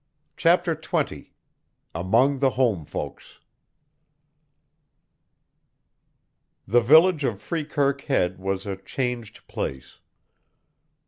CHAPTER XX AMONG THE HOME FOLKS The village of Freekirk Head was a changed place.